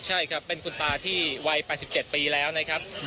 ใช่ครับเป็นคุณตาที่วัย๘๗ปีแล้วนะครับ